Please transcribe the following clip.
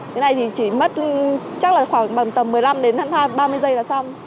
cái này thì chỉ mất chắc là khoảng tầm một mươi năm đến ba mươi giây là xong